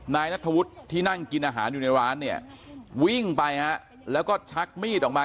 นายนัทธวุฒิที่นั่งกินอาหารอยู่ในร้านเนี่ยวิ่งไปฮะแล้วก็ชักมีดออกมา